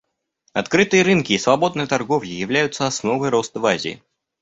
Открытые рынки и свободная торговля являются основой роста в Азии.